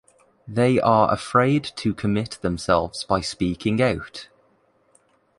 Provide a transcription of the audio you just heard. They are afraid to commit themselves by speaking out.